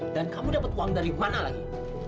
dan kamu dapat uang dari mana lagi